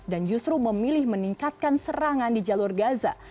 dan justru memilih meningkatkan serangan di jalur gaza